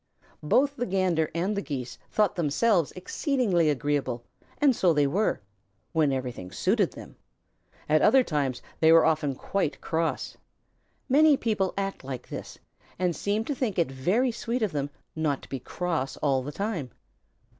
Both the Gander and the Geese thought themselves exceedingly agreeable, and so they were when everything suited them. At other times they were often quite cross. Many people act like this, and seem to think it very sweet of them not to be cross all the time.